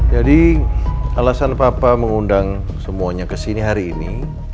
jadi alasan papa mengundang semuanya kesini hari ini